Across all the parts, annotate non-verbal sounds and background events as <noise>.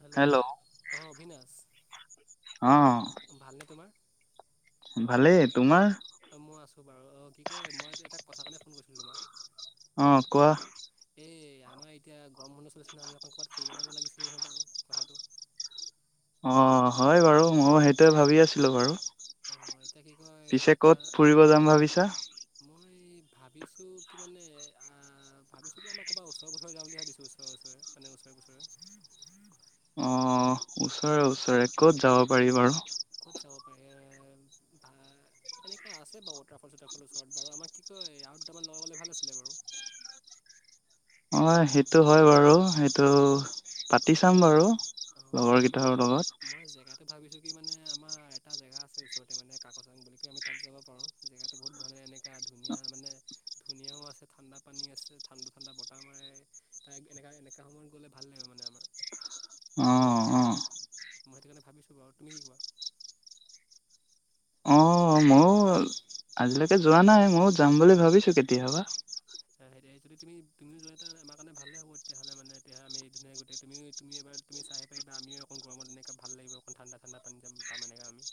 Hello অ, অবিনাশ। অ ভালনে তোমাৰ? ভালেই তোমাৰ? অ, মই আছো বাৰু অ, কি কয় মই এটা কথা কাৰণে ফোন কৰিছিলো তোমাক। অ কোৱা এ আমাৰ এতিয়া গৰম বন্ধ চলিছে ন, আমি অকৌ ক'ৰবাত ফুৰিব যাব লাগিছিল নহয় বাৰু কথাটো। অ', হয় বাৰু ময়ো সেইটোৱে ভাবি আছিলো বাৰু। অ, এতিয়া কি কয়, পিছে ইটা, ক'ত ফুৰিব যাম ভাবিছা মই ভাবিছো কি মানে-আ-ভাবিছো, কি আমাৰ ক'বাত ওচৰৰ পজৰে যাওঁ বুলি ভাবিছো। ওচৰে-ওচৰে মানে ওচৰে-পচৰে। অ, ওচৰে-ওচৰে ক'ত যাব পাৰি বাৰু? ক'ত যাব পাৰি? ভা, এনেকা আছে বাৰু ওৱাটাৰফল-চটাৰফলৰ ওচৰত বাৰু, আমাক কি কয় আৰু দুটামান লগ হ'লে ভাল আছিলে বাৰু। অ', সেইটো হয় বাৰু। সেইটো পাতি চাম বাৰু। অঁ হয় আমাৰ লগৰকেইটৰ মই জেগাটো ভাবিছোঁ লগত। কি মানে, আমাৰ এটা জেগা আছে ওচৰতে, মানে কাকচাং বুলি কে। আমি তাত যাব পাৰোঁ। জেগাতটো বহুত ভাল। এনেকা ধুনীয়া মানে, ধুনীয়াও আছে ঠাণ্ডা পানী আছে, ঠাণ্ডা-ঠাণ্ডা বতাহ মাৰে। তা-এনেকা -এনেকা সময়ত গ'লে ভাল লাগে মানে আমাৰ। অ অ মই সেইটো কাৰণে ভাবিছোঁ বাৰু, তুমি কি কোৱা? অ ময়ো আজিলৈকে যোৱা নাই। মইও যাম বুলি ভাবিছো কেতিয়াবা। তুমি-তুমিও যোৱা এটা আমাৰ কাৰণে ভালে হ'ব। তেতিয়াহলে মানে, এতিয়া আমি ধুনীয়া গোটেই তুমি-তুমি এবাৰ তুমি চাই আহিব পাৰিবা। আমিও অকণ গৰমত এনেকা ভাল লাগিব, অকণ ঠাণ্ডা-ঠাণ্ডা <unintelligible> পাম এনেকে আমি।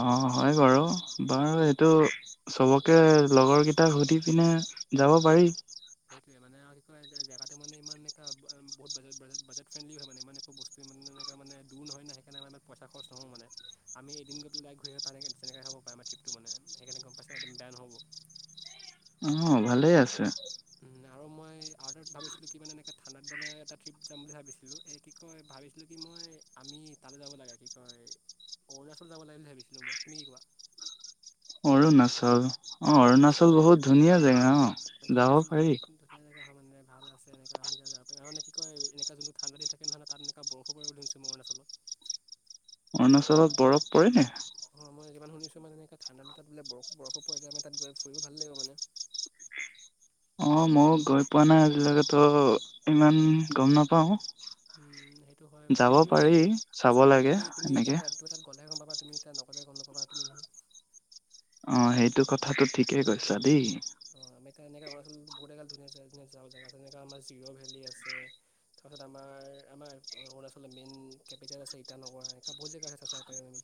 অ', হয় বাৰু। বাৰু, এইটো চবকে লগৰকেইটাক সুধি পিনে যাব পাৰি। সেইটোৱে, মানে আৰু কি কয়, যে জেগাটো মানে ইমান এনেকা-আ-উম বহুত বাজে- ব্ৰাজে-বাজেট ফ্ৰেণ্ডলি হয় মানে। ইমান একো বস্তু ইমান এনেকা মানে দূৰ নহয় না। সেইকাৰণে আমাৰ ইমান পইচা খৰচ নহয় মানে। আমি এদিন গৈ পেলাই ঘূৰি আহি পাৰে <unintelligible> খাব পাৰে আমাৰ ট্ৰিপটো মানে। সেইকাৰণে গম পাইছ, একদম বেয়া নহ'ব। অ', ভালে আছে। আৰু মই, আৰু-টা ভাবিছিলোঁ কি মানে, এনেকা ঠাণ্ডাৰ-তাণ্ডৰ এটা ট্ৰিপ যাম বুলি ভাবিছিলোঁ। এই কি কয়, ভাবিছিলোঁ কি মই আমি তালৈ যাব লাগে। কি কয়, অৰুণাচল যাব লাগে বুলি ভাবিছিলোঁ মই। তুমি কি কোৱা? অৰুণাচল। অ', অৰুণাচল বহুত ধুনীয়া জেগা। অ', এইটো যাব অৰুণাচল পাৰি। ধুনীয়া ধুনীয়া জেগা হয় মানে ভাল আছে এনেকা আমি <unintelligible> যাব পাৰিম। আৰু মানে কি কয়, এনেকা যোনটো ঠাণ্ডা দিন থাকে নহয় তাত এনেকা বৰফো পৰে বুলি শুনিছোঁ ম অৰুণাচলত। অৰুণাচলত বৰফ পৰে নি? যিমান শুনিছোঁ মানে এনেকা ঠাণ্ডা দিনত বোলে বৰ-বৰফো পৰে। আমি তাত গৈ ফুৰিব ভালে লাগিব মানে! অ, মই গৈ পোৱা নাই আজিলৈ ত' ইমান গম নাপাওঁ। উম, সেইটো হয় বাৰু আৰু তুমি চাব যাব পাৰা। লাগে তুমি-তুমি এতিয়া এনেকে ইটো কথাত গ লেহে গম পাবা, তুমি এতিয়া নগ'লে গম নাপাবা তুমি নহয়। অ', সেইটো কথাটো ঠিকেই কৈছা দেই। অ, আমি তাত এনেকা অৰুণাচল বহুত জেগাত ধুনীয়া জেগ-ধুনীয়া যাব জেগা আছে। জেনেকুৱা আমাৰ জিৰ' ভেলী আছে। <unintelligible> আমাৰ-আমাৰ অৰুণাচৰ মেইন কেপিটেল আছে ইটানগৰ। এনেকা বহুত জেগা আছে চা-চাব পাৰিম আমি।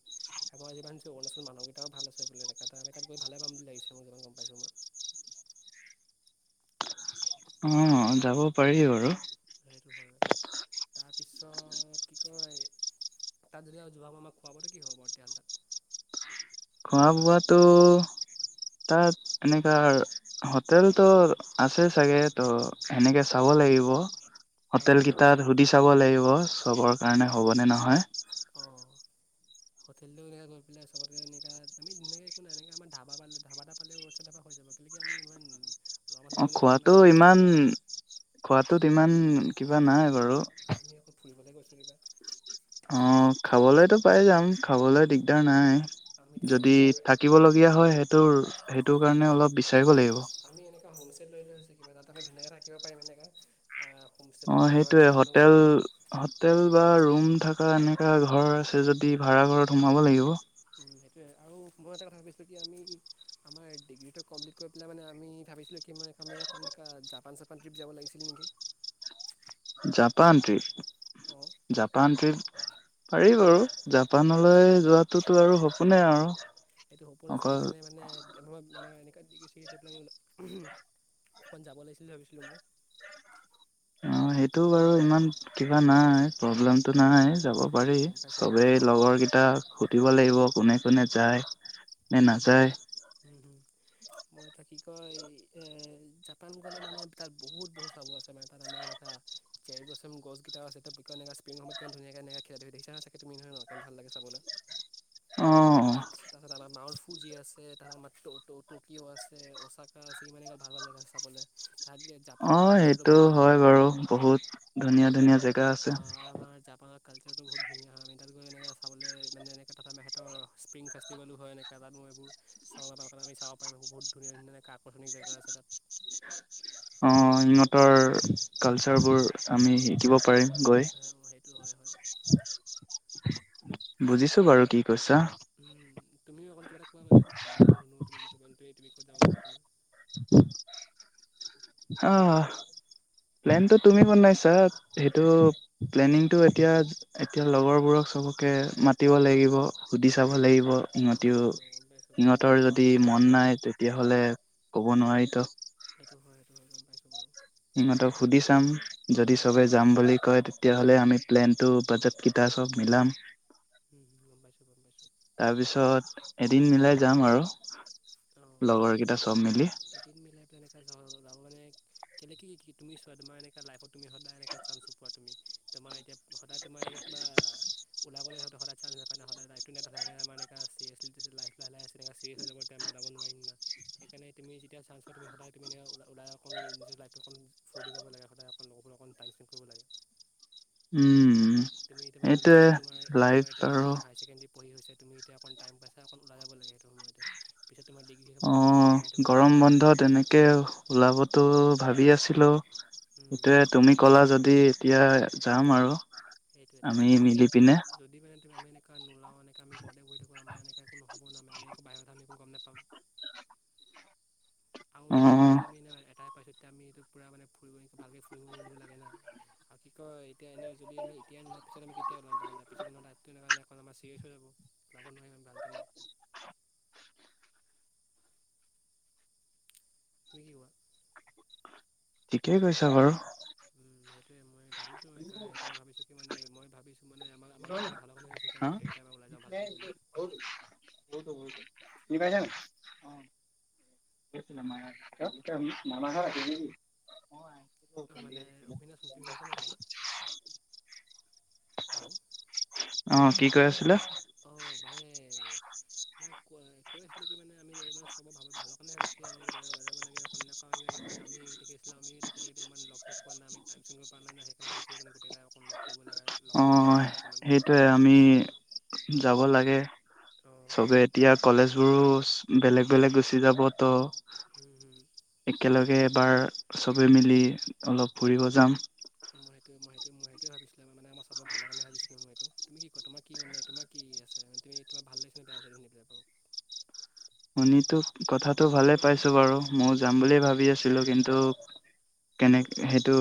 <unintelligible> অৰুণাচল মানুহকেইটাও ভাল আছে বোলে দেখাত আৰু আমি তাত গৈ ভালেই পাম বুলি লাগিছে মই যিমান গম পাইছোঁ মই। অ', যাব পাৰি বাৰু। <unintelligible> তাৰপিছত কি কয়, তাত যদিবা যোৱা হোৱা হয় আমাক খোৱা-বোৱাতো কি হ'ব, বাৰু তেতিয়াহ'লে তাত? খোৱা-বোৱাতো, তাত তেনেকা হোটেলতো আছে চাগে, তো সেনেকে চাব লাগিব। হোটেল অ', কেইটাৰ সুধি চাব লাগি ব সবৰ উম, কাৰণে হ'বনে নহয়। অ'। হোটেলটো এনেকে গৈ পেলাই <unintelligible> এনেকা আমি এনেকে একো নাই আমাৰ ধাবা পালে ধাবাটা পালে, <unintelligible> অ' একো নাই খোৱাটো নহয় ইমান খোৱাটোত ইমান কিবা নাই বাৰু। আমি অকল ফুৰিবলৈ গৈছোঁ কিবা? অ' খাবলেতো পাই যাম, খাবলে দিগদাৰ নাই। আমি তাৰ যদি এটা থাকিব লগীয়া হয়। সেই তেওঁৰ সেইটোকাৰণে অলপ বিচ আমি এনেকুৱা হ'মস্তে লৈ লৈ হৈছে, কিবা এটা এটা কৰি ধুনীয়াকে থাকিব পাৰিম এনেকে। অ', সেইটোৱে, হোটেল-হোটেল বা ৰু ৰুম থকা এনেকুৱা ঘৰ আছে যদি ভাড়াঘৰত সোমাব লাগিব। সেইটোৱে আৰু মই এটা কথা ভাবিছিলোঁ কি আমি আমাৰ ডিগ্ৰীটো কমপ্লিট কৰি পেলাই মানে আমি ভাবিছিলোঁ কি মই-আমি এনেকা জাপান-চাপান ট্ৰিপ যাব লাগিছিল নেকি। Japan trip? অ'। জাপান ট্ৰিপ পাৰি বাৰু, জাপানলৈ যোৱাটোতো আৰু সপোনে আৰু। এইটো সপোন আছিলে, অকল সেইকাৰণে মানে আমাৰ অকমান যাব লাগিছিল বুলি ভাবিছিলো মই। অ! সেইটো বাৰু, ইমান কিবা নাই প্ৰব্লেমতো নাই, যাব পাৰি সেইটো গম পাইছোঁ বাৰু চবেই লগৰকেইটাক সুধিব লাগিব। কোনে কোনে যায়। নে নাযায়। মইত কি কয়, যাম ন গ'লে মানে তাৰ বহুত বস্তু চাব আছে মানে, তাত আমাৰ এনেকুৱা চেৰী ব্লুসম গছকেইটাও আছে, তাতে এনেকুৱা স্প্রিঙ সময়ত কিমান ধুনীয়াকৈ এনেকৈ দেখিচাই নহয় তুমি নহয় ন, কিমান ভাল লাগে চাবলৈ। অ চতা দালা মাউফুজি আছে, তাৰপা আমাৰ টকিঅ' আছে, অচাকা আছে, ইমানে এ ভাল ভাল জেগা আছে চাবলৈ। তাত জাপানৰ অ' কালচাৰটো সেইটো বহুত হয় বাৰু বহুত ধুনীয়া, ধুনীয়া জেগা জেগা আছে। ৱেদাৰ টো বহুত ধুনীয়া হয়, আমি তাত গৈ এনেকৈ চাবলৈ মানে এনেকৈ তাতে সিহঁতৰ স্প্ৰীং ফেষ্টিভেলো হয়। এনেকৈ তাত মই এইবোৰ চাব কাৰণে আমি চাব পাৰিম বহুত ধুনীয়া, ধুনীয়া এনেকৈ আকৰ্ষণিক জেগা আছে তাত। অ' সিহঁতৰ কালচাৰবোৰ আমি শিকিব পাৰিম। গৈ। সেইটো হয় হয় বুজিছো বাৰু কি। কৈছা উম তুমিও অকণ কিবা এটা কোৱা মানে, মইও শুনো তুমি কত যাব মন আছে তোমাৰ। উ! আহ! প্লেনটো তুমি বনাইছা সেইটো প্লেনিংটো এতিয়া, এতিয়া লগৰবোৰক চবকে মাতিব লাগিব সুধি চাব লাগিব। হয় সিহঁতিও, বাৰু গম পাইছোঁ বাৰু সেইটো সিহঁতৰ হয় যদি মন নাই তেতিয়াহ'লে কব নোৱাৰিটো। সেইটো হয়, সেইটো হয় গম পাইছোঁ বাৰু। সিহঁতক সুধি চাম, যদি সবে যাম বুলি কয় তেতিয়াহলে আমি প্লেন টো, বাজেট কিতা চব মিলাম। গম পাইছোঁ গম পাইছোঁ তাৰপিছত, এদিন মিলাই যাম আৰু অঁ লগৰ কেইটা চব মিলি এদিন মিলাই তেনেকে যাও ওলাব মান কেলে কি তুমি চোৱা, তোমাৰ এনেকুৱা লাইফত তুমি সদায় এনেকুৱা চান্স নোপোৱা তুমি। ততোমাৰ এতিয়া সদায় তোমাৰ এনেকৈ কিবা ওলাবলৈলে হয়ত সদায় চান্স নাপায় না। সদায় লাইফটো না থাকে আমাৰ এনেকুৱা চিৰিয়াছলি লাইফ টো লাহে লাহে আহি আছে। তেনেকৈ চিৰিয়াছ হৈ যাব তেতিয়া আমি ওলাব নোৱাৰিমা সেইকাৰণে তুমি যেতিয়া চান্স পোৱা তুমি সদায় তুমি এনেকে ওলাই অকণ নিজৰ লাইফটো অকণ ফূ্তি কৰিব লাগে। সদায় অকণ লগৰবোৰ অকণ টাইম স্পেণ্ড কৰিব লাগে। উম! তুমি সেইটোৱে এতিয়া, লাইফ তোমাৰ এতিয়া আৰু হাইৰচেকেণ্ডেৰী পঢ়ি হৈছে। তুমি এতিয়া অকণ টাইম পাইছা, অকণ ওলাই যাব লাগে সেইটো সময়তে। পিছত তোমাৰ ডিগ্ৰী শেষ অ! হ'বলৈ আকৌ অকণ টাইম পাই ওলাই যাব গৰম লাগে বন্ধত এনেকে ওলাবতো ভাৱি আছিলোঁ। মানে এতিয়া তুমি ক'লা যদি এতিয়া যাম আৰু। সেইটোৱে, আমি তাহাঁতি মানে মিলি পিনে কি, যদি মানে যদি আমি এনেকে নুলাও, এনেকা আমি ঘৰতে বহি থাকো, আমাৰ এনেকে একো নহ'বও ন, আমাৰ-আমি একো বাহিৰৰ কথা আমি একো গম নাপাম। আৰু অ জীৱনটো আমি এনেও এটাই পাইছোঁ, তেতিয়া আমি সেইটোত পুৰা মানে ফুৰিব ভালকৈ ফুৰিব মিলিব লাগে না আৰু কি কয় এতিয়া এনেও যদি আমি এতিয়াই নোলাওঁ পিছত আমি কেতিয়া ওলাম, পিছত এনেও লাইফটো এনেকুৱা নহয়, আমাৰ চিৰিয়াচ হৈ যাব, ওলাব নোৱাৰিম আমি ভালকে না। তুমি কি কোৱা? ঠিকেই কৈছা বাৰু। উম, সেইটোয়ে মই ভাবিছো সেই সেইকাৰণে ভাবিছো কি মানে মই ভাবিছো মানে আম আমাৰ গোটেইটা ভালৰ কাৰণে ভাবিছোঁ হা আমি গোটেইকেইটা পৰা ওলাই যাওঁ ভালকে বোলো। চিনি পাইছা নে? অ', মামা ঘৰত আছিলি নিকি? মানে অবিনাশ তুমি শুনিছা নাই বাৰু <unintelligible> <inaudible> হেল্ল' অঁ, কি কৈ আছিলে? <unintelligible> সেইটোয়ে, আমি যাব লাগে। অঁ চবে এতিয়া, কলেজ বোৰো বেলেগ বেলেগ গুচি যাবত। একেলগে। এবাৰ চবে মিলি অলপ ফুৰিব যাম। মই সেইটো মই সেইটোৱে ভাবিছিলো, মানে মই চাবৰ ভালৰ কাৰণে ভাবিছিলো মই এইটো তুমি কি কয় তোমাৰ কি মানে তোমাৰ কি আছে তুমি তোমাৰ ভাল লাগি <unintelligible> শুনিতো কথাটো ভালে পাইছো বাৰু। ময়ও যাম বুলিয়ে ভাবি আছিলো কিন্তু কেনেক সেইটো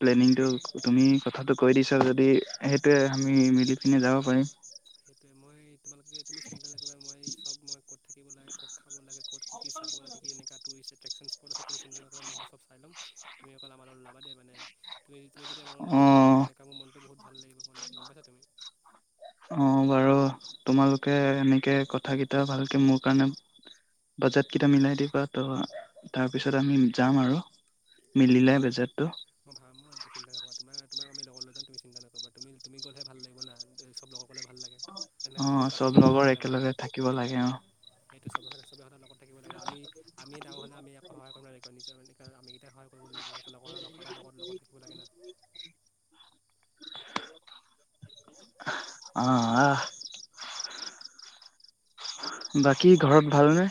প্লেনিংটো তুমি কথাটো কৈ দিছা যদি সেইটোৱে আমি মিলি কিনে যাব পাৰিম। ত' মই তোমালোকে তুমি চিন্তা নকৰিবা মই চব মই ক'ত থাকিব লাগে ক'ত খাব লাগে ক'ত কি চাব লাগে কি এনেককা টুৰিষ্ট এট্ৰেকশ্যন স্পট আছে তুম চিন্তা নকৰিবা মই চব চাই ল'ম তুমি অকল আমাৰ ওলাবা দেই মানে তুমি তুম যদি আমাৰ ওলা মোৰ অ', বুতনেকা মোৰ মনটো বহুত ভাল লাগিব মানে গম পাইছা তুমি! অ', বাৰু তোমালোকে এনেকে কথা কেইটা ভালকে মোৰ কাৰণে বাজেট কেইটা মিলাই দিবা ত' তাৰপিছত আমি যাম আৰু, মিলিলে বাজেটটো। <unintelligible> নকবা তুমি গ'লেহে ভাল লাগিব না, চব লগৰ গ'লে ভাল লাগে। তেনেকৈ যদি অ', এটা চব থাকি যায় বেয়া লগৰ লাগে নাই মনটো একেলগে থাকিব লাগে অ'। সেইটো সবহ চবেহঁতে লগত থাকিব লাগে আমি- আমি। তেওঁ হ'লে আমি আক সহায় কৰিব লাগিব নিজৰ এক আমিকেইটাই সায় কৰিব লাগিব লগৰ সদায় লগত -লগত থাকিব লাগে ন। আহ', - এতিয়া আহ', বাকী ঘৰত ভালনে?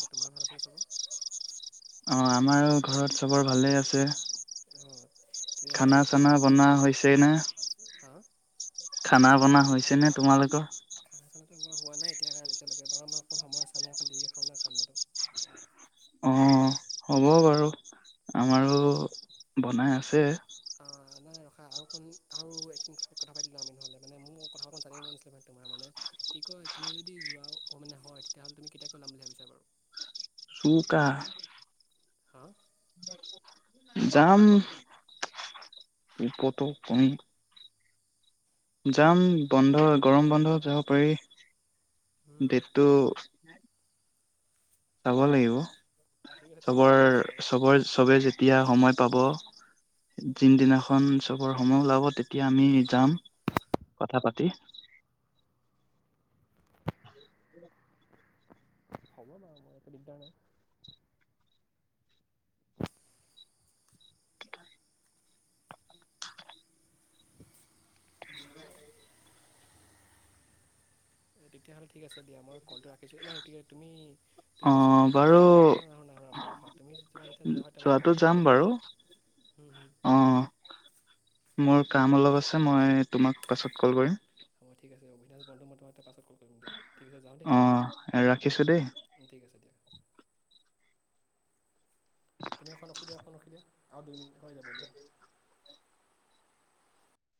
স তোমাৰ ভাল আছিনে চবৰ? অহ ', আমাৰো ঘৰত চবৰ ভালেই আছে। অঁ তেতিয়াহ'লে খানা কি চানা কয় মই বনোৱা হৈছে নে? হা খানা বনাোৱা হৈছেনে তোমালোকৰ? খানা চানাটো মই হোৱা নাই এতিয়া লকে কাৰণ এতিয়ালৈকে বাৰ মাহ অকণ সময় আছে আমি এক দেৰিকে খাওঁ না খান্ডাটো। অ', হ'ব বাৰু। আমাৰো বনাই আছে। অহ', নাই ৰখা আৰু কণ আৰু একিনিশা কথা পাতি লওঁ আমি নহ'লে মানে মোৰ কথা একখন জানিব মন নাছিলে মান তোমাৰ মানে কি কয় তুমি যদি যোৱা মানে হয় তেতিয়াহ'লে তুমি কেতিয়াকৈওলাম বুলি ভাবিছা বাৰু? চুকা। হাহ', যাম, কত কমি- জাম বন্ধ গৰম বন্ধ যাব পাৰি। ডেতটো চাব লাগিব। অঁ ঠিক আছে তুমি মোক চবৰ ক'লে হৈছে বাৰু -চবৰ চবে যেতিয়া সময় পাব যিদিনাখন চবৰ সময় ওলাব তেতিয়া আমি যাম কথা পাতি। <inaudible> হব লাহে লাহে একো দিকদাৰ নাই। তেতিয়াহ'লে ঠিক আছে দিয়া মই কলটো ৰাখিছো এতিয়া তুমি তুমি মোৰ অ', যেতিয়া তোমাৰ যোৱা বাৰু হয় না, ন ৰখা - ৰখা তুমি তোমাৰ যেতিয়া যোৱা হয় তেতিয়া মোক যোৱাটো কল যাম কৰিবা বাৰু তুমি অ মোৰ কাম অলপ আছে মই তোমাক পাছত কল কৰিম। <inaudible> ঠিক আছে জাও দিয়া, অ ৰাখিছোঁ দেই ঠিক আছে। তুমি এখন অসুবিধা অহ', ৰাখি দিয়া আৰু দুই মিনিট। হৈ যাব দিয়া।